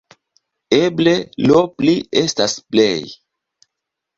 Eble 'lo pli' estas 'plej'.